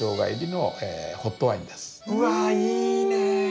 うわいいね。